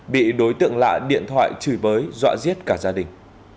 bị đối tượng lạ điện thoại chửi bới dọa giết cả gia đình